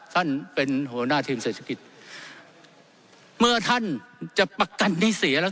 ท่านเป็นหัวหน้าทีมเศรษฐกิจเมื่อท่านจะประกันให้เสียแล้ว